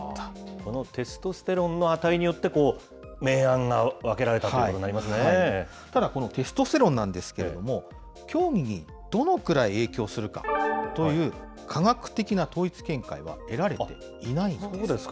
そのテストステロンの値によって明暗が分けられたということただこのテストステロンなんですけれども、競技にどのくらい影響するかという、科学的な統一見解は得られていないんです。